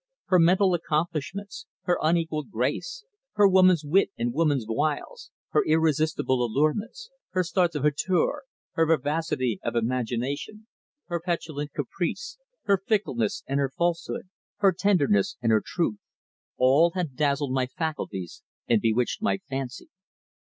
Her mental accomplishments, her unequalled grace, her woman's wit and woman's wiles, her irresistible allurements, her starts of hauteur, her vivacity of imagination, her petulant caprice, her fickleness and her falsehood, her tenderness and her truth, all had dazzled my faculties and bewitched my fancy.